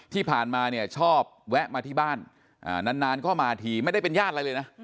ที่ผ่านมาเนี่ยชอบแวะมาที่บ้านนานก็มาทีไม่ได้เป็นญาติอะไรเลยนะ